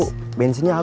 aduh bensinnya abis